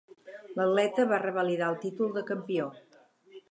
L'atleta va revalidar el títol de campió.